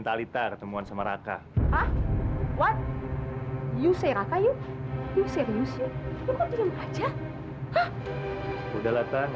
tuhan untuk penonton